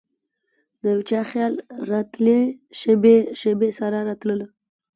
دیو چا خیال راتلي شیبې ،شیبې سارا راتلله